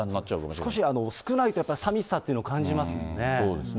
少し少ないとさみしさというのも感じますもんね。